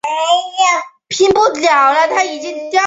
横带刺尾鱼又名条纹刺尾鱼为刺尾鱼科刺尾鱼属的鱼类。